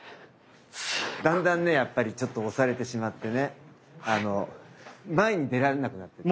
だんだんねやっぱりちょっと押されてしまってね前に出られなくなって。